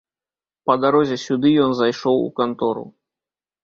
Па дарозе сюды ён зайшоў у кантору.